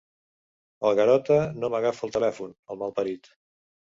El Garota no m'agafa el telèfon, el malparit.